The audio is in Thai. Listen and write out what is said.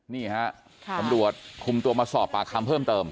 นี่ฮะตำรวจคุมตัวมาสอบปากคำเพิ่มเติม